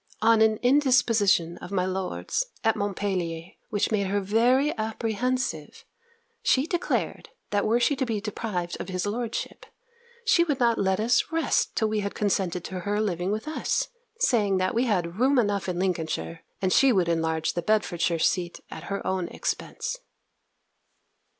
On an indisposition of my Lord's at Montpellier, which made her very apprehensive, she declared, that were she to be deprived of his lordship, she would not let us rest till we had consented to her living with us; saying that we had room enough in Lincolnshire, and she would enlarge the Bedfordshire seat at her own expense.